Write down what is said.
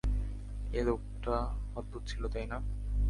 ওই লোকটা অদ্ভুত ছিল, তাই না?